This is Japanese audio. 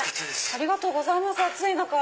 ありがとうございます暑い中。